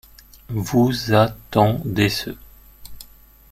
Vous ha-t-on deceu?